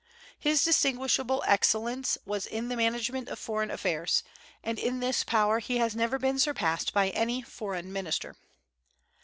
His distinguishable excellence was in the management of foreign affairs; and in this power he has never been surpassed by any foreign minister.